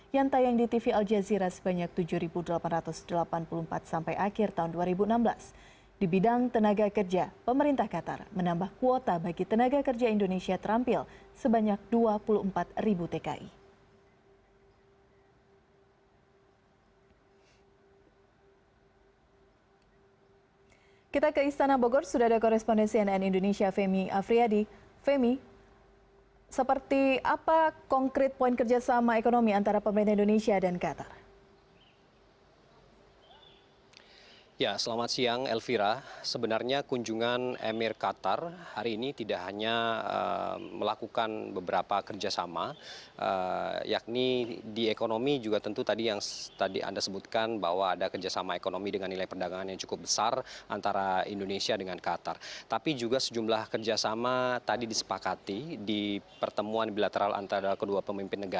yang tayang di tv al jazeera sebanyak tujuh delapan ratus delapan puluh empat sampai akhir tahun dua ribu enam belas